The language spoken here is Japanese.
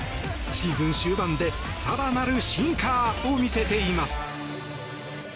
シーズン終盤で更なる進化を見せています。